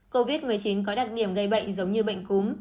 covid một mươi chín có đặc điểm gây bệnh giống như bệnh cúm